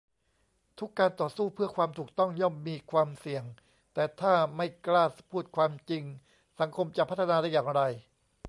ทุกการต่อสู้เพื่อความถูกต้องย่อมมีความเสี่ยง แต่ถ้าไม่กล้าพูดความจริงสังคมจะพัฒนาได้อย่างไร ?